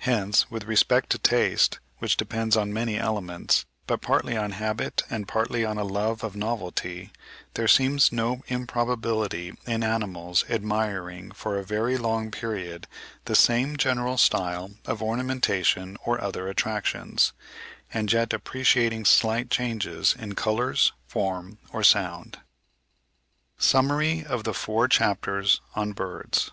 Hence with respect to taste, which depends on many elements, but partly on habit and partly on a love of novelty, there seems no improbability in animals admiring for a very long period the same general style of ornamentation or other attractions, and yet appreciating slight changes in colours, form, or sound. A SUMMARY OF THE FOUR CHAPTERS ON BIRDS.